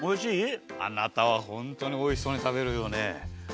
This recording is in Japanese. あなたはホントにおいしそうに食べるよね。